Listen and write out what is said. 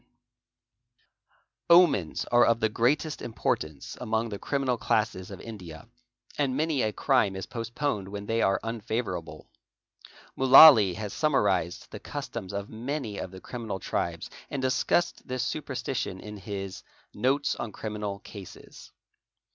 UNLUCKY TIMES 407 Omens are of the greatest importance among the criminal classes of India and many acrime is postponed when they are unfavourable. Mudllaly has summarised the customs of many of the criminal tribes and discussed this superstition in his 'Notes on Criminal Classes."